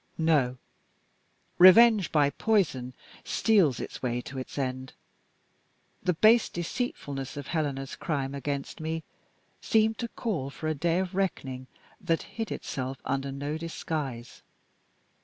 No. Revenge by poison steals its way to its end. The base deceitfulness of Helena's crime against me seemed to call for a day of reckoning that hid itself under no disguise.